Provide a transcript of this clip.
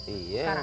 iya gak ada